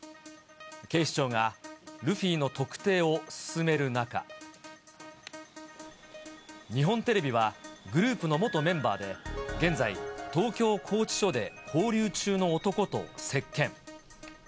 警視庁がルフィの特定を進める中、日本テレビは、グループの元メンバーで、現在、東京拘置所で勾留中の男と接見。